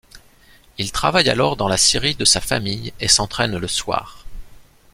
Il travaille alors dans la scierie de sa famille et s'entraîne le soir.